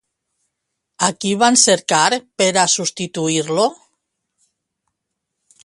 A qui van cercar per a substituir-lo?